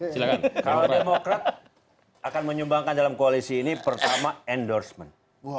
silahkan kalau demokrat akan menyumbangkan dalam koalisi ini pertama endorsement